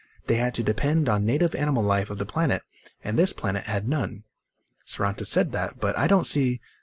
They had to depend on native animal life of the planet, and this planet had none." "Saranta said that. But I don't see